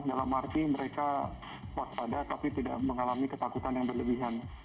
dalam arti mereka waspada tapi tidak mengalami ketakutan yang berlebihan